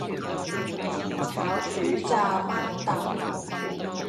煎炒煮炸炆燉